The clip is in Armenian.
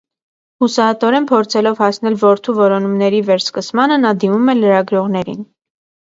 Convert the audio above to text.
Հուսահատորեն փորձելով հասնել որդու որոնումների վերսկսմանը, նա դիմում է լրագրողներին։